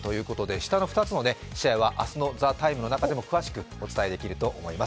下の２つの試合は明日の「ＴＨＥＴＩＭＥ，」の中でも詳しくお伝えできると思います